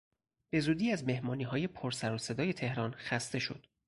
به زودی از مهمانیهای پر سر و صدای تهران خسته شد.